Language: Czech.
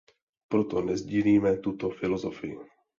Proto nesdílíme tuto filozofii.